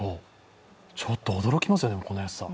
ちょっと驚きますね。